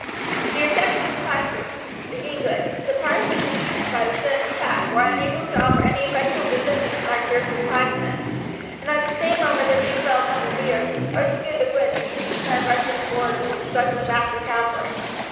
The attack was decisive; the English, surprised and confused by the sudden attack, were unable to offer any effectual resistance to Macpherson's pikemen, and at the same moment that these fell upon the rear, Archie gave the word and his men rushed forward upon the struggling mass of cavalry.